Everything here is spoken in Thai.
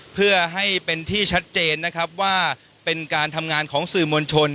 เพื่อให้เป็นที่ชัดเจนนะครับว่าเป็นการทำงานของสื่อมวลชน